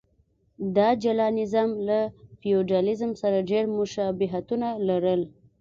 دا جلا نظام له فیوډالېزم سره ډېر مشابهتونه لرل.